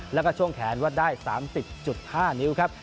แล้วก็ช่วงแขนวัดได้๓๐๕นิ้วครับ